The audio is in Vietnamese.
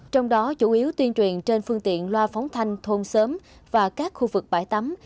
trong đó chủ yếu tuyên truyền trên phương tiện loa phóng thanh thôn sớm và các khu vực bãi tắm